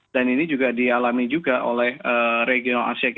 dan ini juga dialami juga oleh regional asia